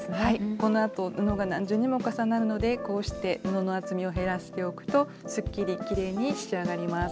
このあと布が何重にも重なるのでこうして布の厚みを減らしておくとすっきりきれいに仕上がります。